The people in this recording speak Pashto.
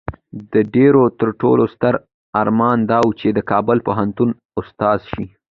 د ډيوې تر ټولو ستر ارمان دا وو چې د کابل پوهنتون استاده شي